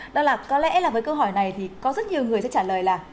đó là có lẽ là với câu hỏi này thì có rất nhiều người sẽ trả lời là